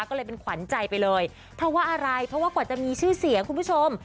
ก็เลยเป็นขวัญใจไปเลยเพราะว่าอะไรเพราะว่ากว่าจะมีชื่อเสียงคุณผู้ชม